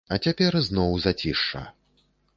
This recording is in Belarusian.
А цяпер зноў зацішша.